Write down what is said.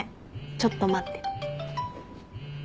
ちょっと待って。